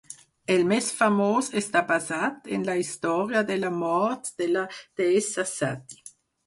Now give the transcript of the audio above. El més famós està basat en la història de la mort de la deessa Sati.